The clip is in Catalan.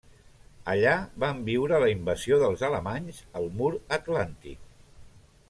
Allà van viure la invasió dels alemanys al Mur Atlàntic.